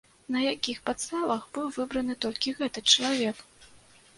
На якіх падставах быў выбраны толькі гэты чалавек?